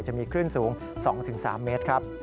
จะมีคลื่นสูง๒๓เมตรครับ